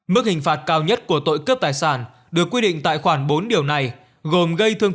mức hình phạt cao nhất của tội cướp tài sản được quy định tại khoản bốn điều này gồm gây thương